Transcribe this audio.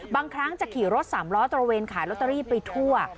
บางครั้งจะขี่รถสามล้อตระเวนขายลอตเตอรี่ไปทั่ว